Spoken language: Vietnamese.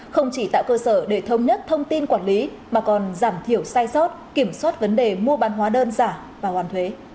không chỉ tạo cơ sở để thống nhất thông tin quản lý mà còn giảm thiểu sai sót kiểm soát vấn đề mua bán hóa đơn giả và hoàn thuế